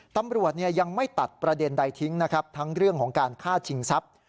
ตำรวจยังไม่ตัดประเด็นใดทิ้งนะครับทั้งเรื่องของการฆ่าชิงทรัพย์